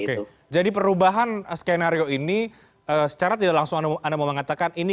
oke jadi perubahan skenario ini secara tidak langsung anda mau mengatakan ini